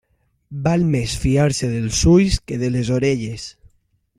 Val més fiar-se dels ulls que de les orelles.